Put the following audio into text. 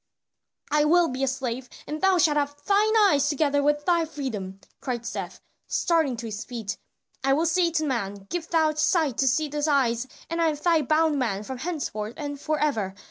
"I will be a slave, and thou shalt have thine eyes together with thy freedom," cried Seth, starting to his feet. "I will say to the man, give thou sight to these eyes and I am thy bondman from henceforth and forever.